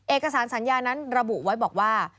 เอกสารสัญญานั้นระบุไว้บอกว่า